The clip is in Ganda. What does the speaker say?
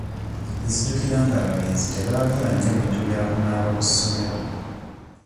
Nzijukira nga abalenzi tebaagala nnyo bintu bya kunaaba ku ssomero.